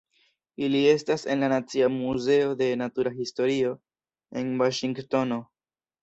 Ili estas en la Nacia Muzeo de Natura Historio en Vaŝingtono.